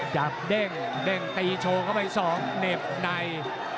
จับเด่งเด่งตีโชว์เข้าไป๒ห์เหนียบใน